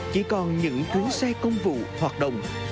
chỉ còn những cuốn xe công vụ hoạt động